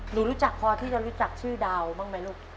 รู้จักพอที่จะรู้จักชื่อดาวบ้างไหมลูก